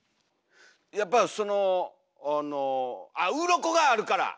やっぱそのあのあっうろこがあるから！